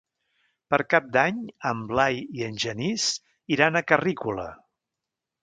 Per Cap d'Any en Blai i en Genís iran a Carrícola.